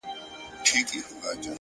پرمختګ د عذرونو پای ته اړتیا لري؛